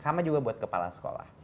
untuk membuat kepala sekolah